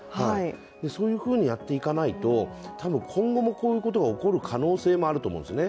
そういうふうにやっていかないと、多分今後もこういうことが起こる可能性があると思うんですよね。